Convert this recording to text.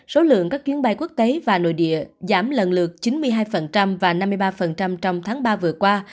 số lượng các chuyến bay quốc tế và nội địa giảm lần lượt chín mươi hai và năm mươi ba trong tháng ba vừa qua